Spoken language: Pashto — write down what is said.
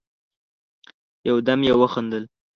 يودم يې وخندل: